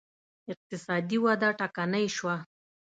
اقتصادي وده ټکنۍ شوه